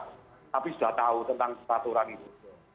tapi sudah tahu tentang peraturan itu